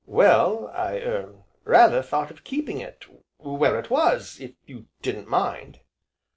"Well, I er rather thought of keeping it where it was if you didn't mind."